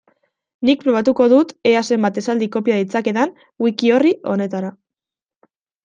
Nik probatuko dut ea zenbat esaldi kopia ditzakedan wiki-orri honetara.